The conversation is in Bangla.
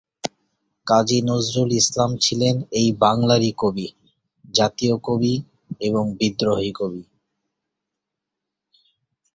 কিন্তু জমিদার নরেন্দ্র নারায়ণ ছিলেন নিঃসন্তান।